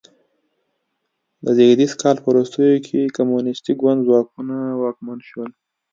د ز کال په وروستیو کې د کمونیستي ګوند ځواکونه واکمن شول.